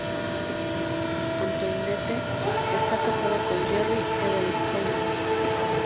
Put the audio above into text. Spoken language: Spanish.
Antoinette está casada con Jerry Edelstein.